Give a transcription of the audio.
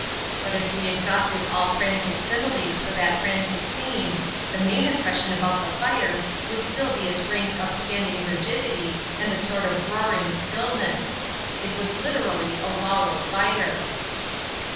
But if we exhausted all frantic similes for that frantic scene, the main impression about the fire would still be its ranked upstanding rigidity and a sort of roaring stillness. It was literally a wall of fire.